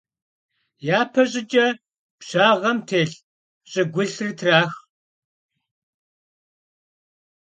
Yape ş'ıç'e pşşaxhuem têlh ş'ıgulhır trax.